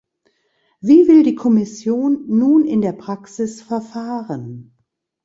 Wie will die Kommission nun in der Praxis verfahren?